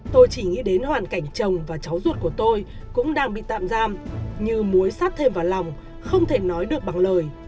tôi chỉ nghĩ đến hoàn cảnh chồng và cháu ruột của tôi cũng đang bị tạm giam như mối sát thêm vào lòng không thể nói được bằng lời